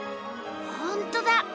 本当だ！